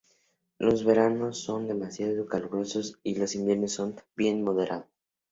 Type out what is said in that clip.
Los veranos no son demasiado calurosos y los inviernos son más bien moderados.